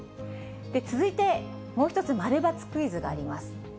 続いて、もう一つ、〇×クイズがあります。